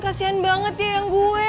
kasian banget ya yang gue